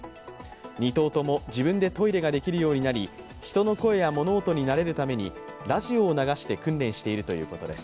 ２頭とも自分でトイレができるようになり人の声や物音に慣れるためにラジオを流して訓練しているということです。